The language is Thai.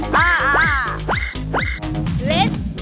เล่น